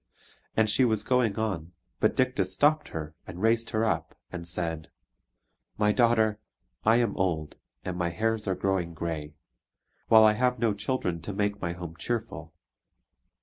And she was going on; but Dictys stopped her, and raised her up, and said: "My daughter, I am old, and my hairs are growing grey; while I have no children to make my home cheerful.